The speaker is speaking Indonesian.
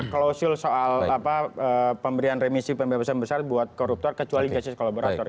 klausul soal pemberian remisi pembebasan besar buat koruptor kecuali justice kolaborator